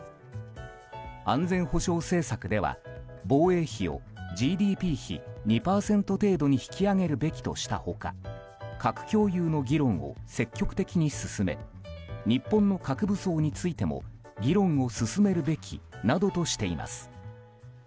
安全保障政策では防衛費をＧＤＰ比２％程度に引き上げるべきとした他核共有の議論を積極的に進め日本の核武装についても議論を進めるべきなどとしています。